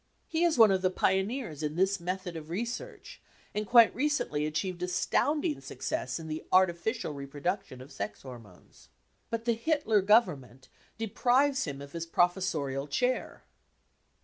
He is one of the pioneers in this method of research, and quite recently achieved astounding Success in the " artificial 55 reproduction of sex hormones. But the Hitler Government deprives him of his professorial chair